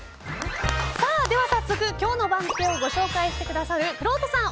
早速、今日の番付をご紹介してくださるくろうとさん